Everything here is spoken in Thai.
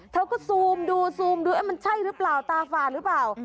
เธอก็ซูมดูซูมดูมันใช่หรือเปล่าตาฝ่าหรือเปล่า